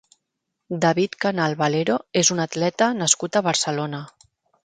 David Canal Valero és un atleta nascut a Barcelona.